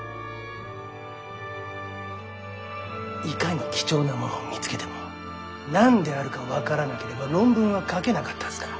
いかに貴重なものを見つけても何であるか分からなければ論文は書けなかったはずだ。